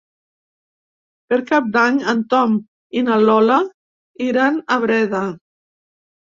Per Cap d'Any en Tom i na Lola iran a Breda.